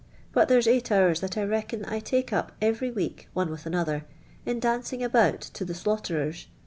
lint there '»» eii; lil hours liiai I r«'ckon I Uike up every week one with another, in dancing iibout to the blan<;litfrers.